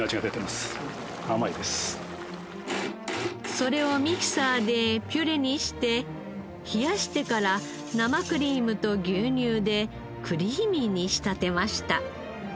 それをミキサーでピュレにして冷やしてから生クリームと牛乳でクリーミーに仕立てました。